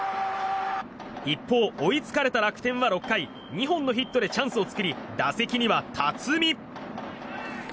一方、追いつかれた楽天は６回２本のヒットでチャンスを作り打席には辰己。